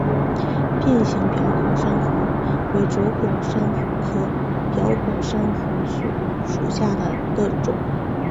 变形表孔珊瑚为轴孔珊瑚科表孔珊瑚属下的一个种。